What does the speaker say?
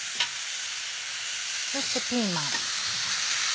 そしてピーマン。